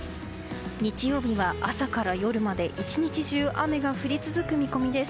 日曜日は、朝から夜まで１日中、雨が降り続く見込みです。